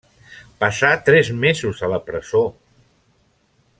Passà tres mesos a la presó.